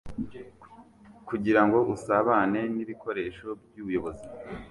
kugirango usabane nibikoresho byubuyobozi